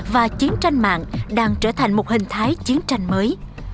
và chiến tranh mạng đang trở thành một hình thái chiến tranh mới